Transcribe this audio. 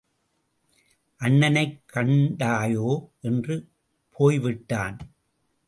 அண்ணனைக் கண்டாயோ என்று போய்விட்டான்.